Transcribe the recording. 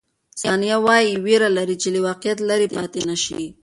ثانیه وايي، وېره لري چې له واقعیت لیرې پاتې نه شي.